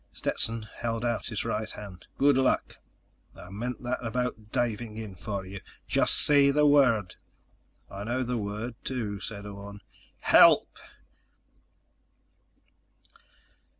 Stetson held out his right hand. "Good luck. I meant that about diving in for you. Just say the word." "I know the word, too," said Orne. "HELP!"